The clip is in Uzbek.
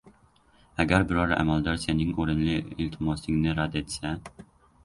Agar biror amaldor sening o‘rinli iltimosingni rad etsa